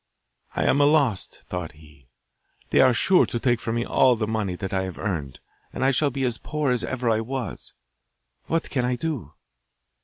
'I am lost,' thought he; 'they are sure to take from me all the money that I have earned, and I shall be as poor as ever I was. What can I do?